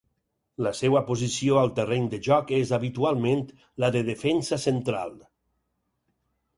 La seva posició al terreny de joc és, habitualment, la de defensa central.